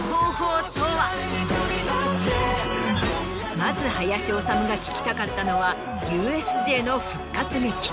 まず林修が聞きたかったのはＵＳＪの復活劇。